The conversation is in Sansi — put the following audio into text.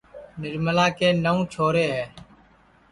نرملا کے نئوں چھورے ہے